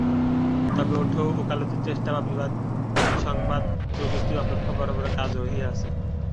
তবে ওঠ, ওকালতির চেষ্টা বা বিবাদ-বিসংবাদ প্রভৃতি অপেক্ষা বড় বড় কাজ রহিয়াছে।